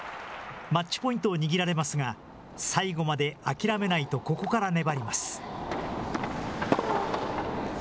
マッチポイントを握られますが、最後まで諦めないと心から粘ります。